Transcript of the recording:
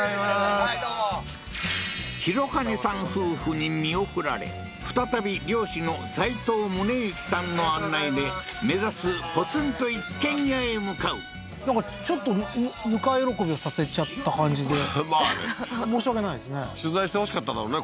廣兼さん夫婦に見送られ再び猟師の齋藤宗幸さんの案内で目指すポツンと一軒家へ向かうなんかちょっとぬか喜びをさせちゃった感じでまあね申し訳ないですね取材してほしかっただろうね